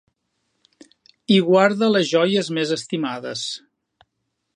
Hi guarda les joies més estimades.